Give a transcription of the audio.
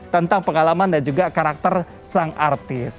tentang pengalaman dan juga karakter sang artis